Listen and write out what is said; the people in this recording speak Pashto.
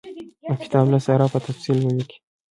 او کتاب له سره په تفصیل ولیکي.